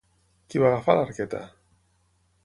Qui va agafar l'arqueta?